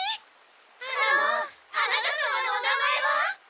あのあなた様のお名前は？